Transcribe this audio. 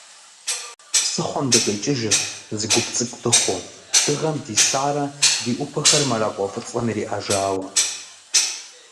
Псыхъуэм дыкъикӏыжырт, зы гуп цӏыкӏу дыхъуу, дыгъэм дисарэ, ди ӏупэхэр мэракӏуэ фӏыцӏэм ириӏэжауэ.